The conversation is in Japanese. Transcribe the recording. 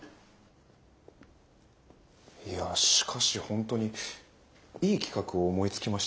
いやしかし本当にいい企画を思いつきましたね。